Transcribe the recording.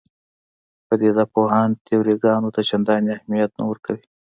پدیده پوهان تیوري ګانو ته چندانې اهمیت نه ورکوي.